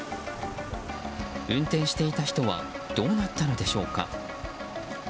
運転していた人はどうなったのでしょうか。